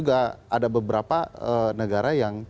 ada beberapa negara yang